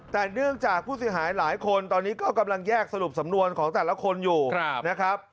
แต่เนื่องจากผู้เสียหายหลายคนตอนนี้ก็กำลังแยกสรุปสำนวนของแต่ละคนอยู่นะครับ